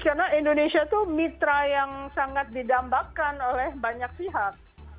karena indonesia itu mitra yang sangat didambakan oleh banyak pihak